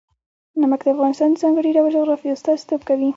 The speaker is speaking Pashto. نمک د افغانستان د ځانګړي ډول جغرافیه استازیتوب کوي.